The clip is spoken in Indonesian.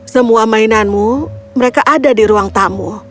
semua mainanmu mereka ada di ruang tamu